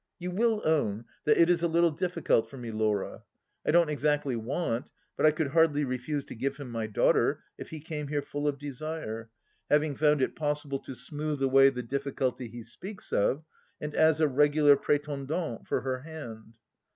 You will own that it is a little difficult for me, Laura. I don't exactly want, but I could hardly refuse to give him my daughter, if he came here full of desire, having found it possible to smoothe away the difficulty he speaks of, and as a regular prStendant for her hand.